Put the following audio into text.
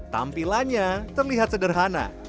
tampilannya terlihat sederhana